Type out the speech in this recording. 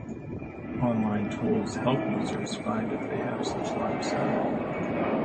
Online tools help users find if they have such line of sight.